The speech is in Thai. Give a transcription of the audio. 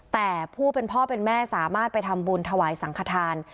แต่ผู้เป็นพ่อเป็นแม่สามารถไปทำบุญถวายสังขทาน